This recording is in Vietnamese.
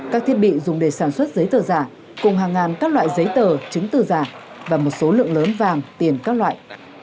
các thiết bị dùng để sản xuất giấy tờ giả cùng hàng ngàn các loại giấy tờ chứng từ giả và một số lượng lớn vàng tiền các loại